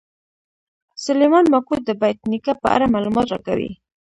سلیمان ماکو د بېټ نیکه په اړه معلومات راکوي.